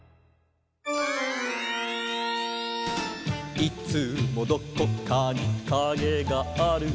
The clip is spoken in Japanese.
「いつもどこかにカゲがある」